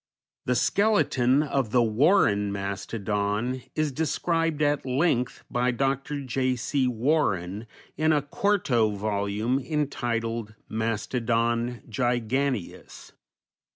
_ _The skeleton of the "Warren Mastodon" is described at length by Dr. J. C. Warren, in a quarto volume entitled "Mastodon Giganteus."